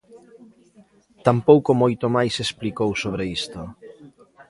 Tampouco moito máis explicou sobre isto.